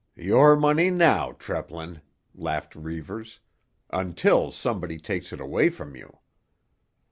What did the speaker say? "Your money now, Treplin," laughed Reivers. "Until somebody takes it away from you."